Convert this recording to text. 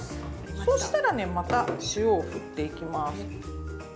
そうしたらねまた塩をふっていきます。